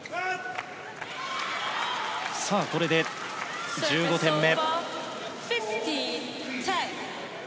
これで１５点目。